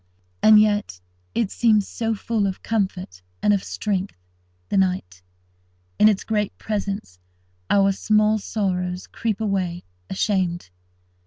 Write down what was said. And yet it seems so full of comfort and of strength, the night. In its great presence, our small sorrows creep away, ashamed.